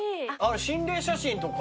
心霊写真とか。